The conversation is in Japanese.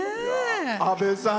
阿部さん